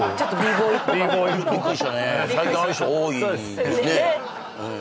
最近ああいう人多いですね